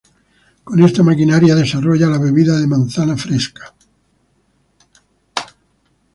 Con esta maquinaria, desarrolla la bebida de manzana fresca.